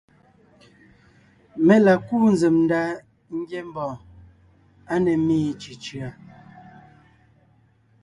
Mé la kúu nzsèm ndá ńgyɛ́ mbɔ̀ɔn á ne ḿmi cʉ̀cʉ̀a;